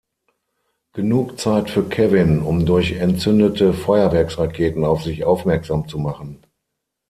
Genug Zeit für Kevin, um durch entzündete Feuerwerksraketen auf sich aufmerksam zu machen.